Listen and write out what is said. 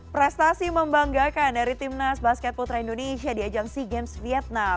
prestasi membanggakan dari timnas basket putra indonesia di ajang sea games vietnam